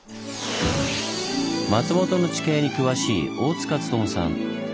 松本の地形に詳しい大塚勉さん。